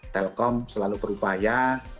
telkom selalu berupaya